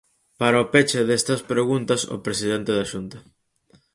Para o peche destas preguntas, o presidente da Xunta.